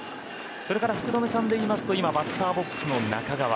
それから福留さんでいいますと今、バッターボックスの中川。